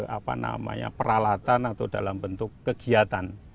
apa namanya peralatan atau dalam bentuk kegiatan